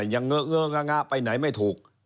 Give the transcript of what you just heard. ยังเงอะงะงะไปไหนไม่ถูก